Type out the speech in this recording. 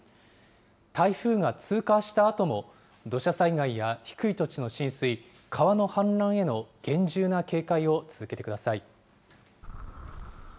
台風が通過したあとも、土砂災害や低い土地の浸水、川の氾濫への厳重な警戒を続けてください。